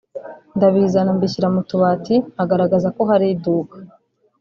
ndabizana mbishyira mu tubati nkagaragaza ko hari iduka